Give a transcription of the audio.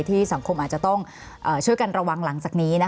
สังคมอาจจะต้องช่วยกันระวังหลังจากนี้